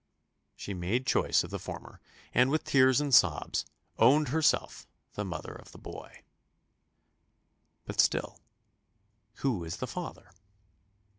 She made choice of the former and with tears and sobs "owned herself the mother of the boy." But still "Who is the father?"